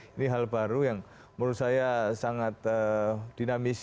ini hal baru yang menurut saya sangat dinamis